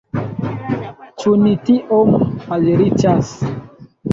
Ĉu ni tiom malriĉas?